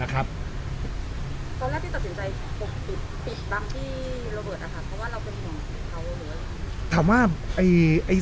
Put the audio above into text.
อ่ะค่ะเพราะว่าเราควรห่วงเขาหรืออะไรถามว่าไอไอ